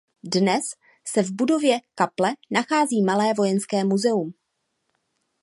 Dnes se v budově kaple nachází malé vojenské muzeum.